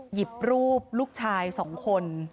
หยิบรูปลูกชาย๒คน